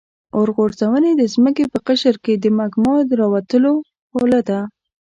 اورغورځونې د ځمکې په قشر کې د مګما د راوتلو خوله ده.